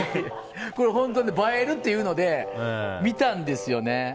これ本当に映えるっていうので見たんですよね。